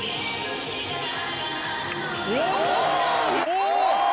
お！